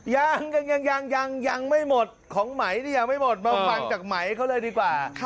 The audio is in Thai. ยังยังยังไม่หมดของไหมนี่ยังไม่หมดมาฟังจากไหมเขาเลยดีกว่า